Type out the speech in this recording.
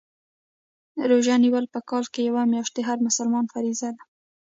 روژه نیول په کال کي یوه میاشت د هر مسلمان فریضه ده